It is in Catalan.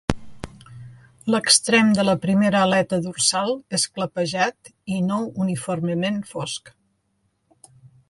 L'extrem de la primera aleta dorsal és clapejat i no uniformement fosc.